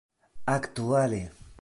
aktuale